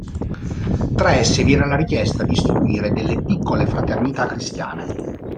Tra esse vi era la richiesta di istituire delle piccole fraternità cristiane.